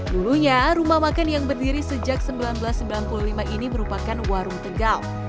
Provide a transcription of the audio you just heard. dulunya rumah makan yang berdiri sejak seribu sembilan ratus sembilan puluh lima ini merupakan warung tegal